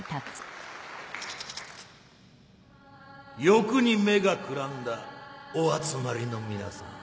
欲に目がくらんだお集まりの皆さん。